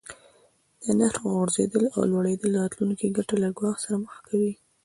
د نرخ غورځیدل او لوړیدل راتلونکې ګټه له ګواښ سره مخ کوي.